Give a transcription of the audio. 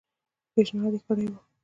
پېشنهاد کړی وو.